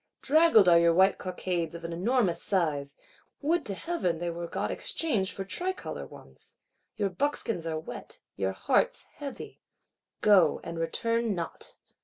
Draggled are your white cockades of an enormous size; would to Heaven they were got exchanged for tricolor ones! Your buckskins are wet, your hearts heavy. Go, and return not!